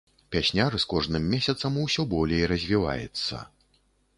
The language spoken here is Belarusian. Пясняр з кожным месяцам усё болей развіваецца.